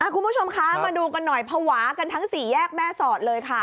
คุณผู้ชมคะมาดูกันหน่อยภาวะกันทั้งสี่แยกแม่สอดเลยค่ะ